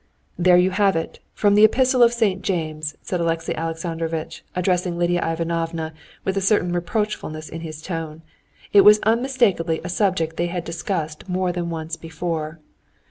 "There you have it—from the epistle of St. James," said Alexey Alexandrovitch, addressing Lidia Ivanovna, with a certain reproachfulness in his tone. It was unmistakably a subject they had discussed more than once before.